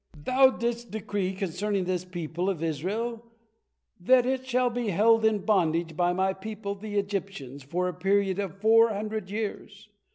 Thou didst decree concerning this people of Israel that is hall be held in bondage by my people, the Egyptians, for a period of four hundred years.